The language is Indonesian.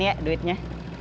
nih ya duitnya